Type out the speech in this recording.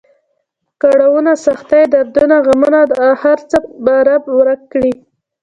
کړاونه، سختۍ، دردونه، غمونه دا هر څه به رب ورک کړي.